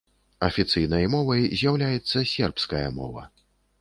Афіцыйнай мовай з'яўляецца сербская мова.